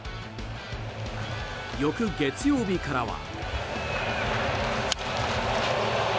翌月曜日からは。